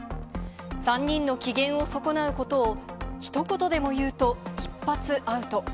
３人の機嫌を損なうことをひと言でも言うと一発アウト。